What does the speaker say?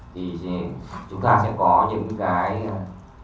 thì chúng ta sẽ có những cái dự bị